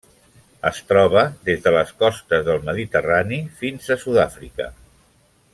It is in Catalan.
Es troba des de les costes del Mediterrani fins a Sud-àfrica.